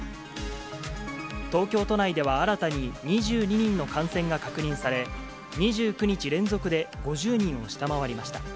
東京都内では新たに２２人の感染が確認され、２９日連続で、５０人を下回りました。